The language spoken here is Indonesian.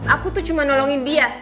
aku tuh cuma nolongin dia